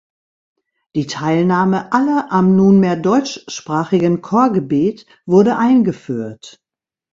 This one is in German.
Die Teilnahme aller am nunmehr deutschsprachigen Chorgebet wurde eingeführt.